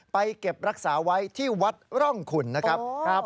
เก็บรักษาไว้ที่วัดร่องขุนนะครับ